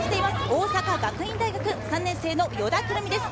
大阪学院大学、３年生の依田来巳です。